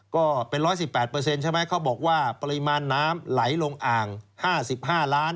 ก็เป็น๑๑๘ใช่ไหมเขาบอกว่าปริมาณน้ำไหลลงอ่าง๕๕ล้าน